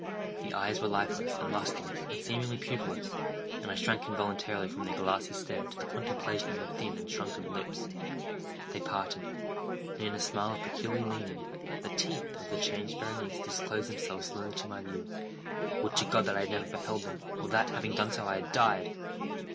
The eyes were lifeless, and lustreless, and seemingly pupilless, and I shrank involuntarily from their glassy stare to the contemplation of the thin and shrunken lips. They parted; and in a smile of peculiar meaning, the teeth of the changed Berenice disclosed themselves slowly to my view. Would to God that I had never beheld them, or that, having done so, I had died!